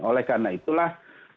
oleh karena itulah